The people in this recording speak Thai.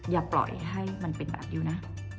อย่าปล่อยให้มันเป็นแบบนี้นะ